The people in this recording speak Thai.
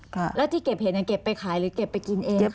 แล้วที่เก็บเห็ดยังเก็บไปขายหรือเก็บไปกินเอง